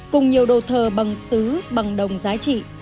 cùng nhiều đồ thờ bằng xứ bằng đồng giá trị